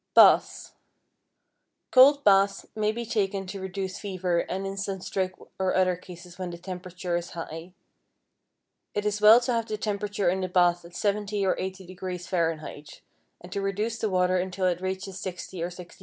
=Baths.= Cold baths may be taken to reduce fever and in sunstroke and other cases when the temperature is high. It is well to have the temperature in the bath at 70° or 80° Fahrenheit, and to reduce the water until it reaches 60° or 65°.